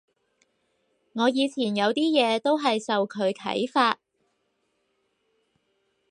我以前有啲嘢都係受佢啓發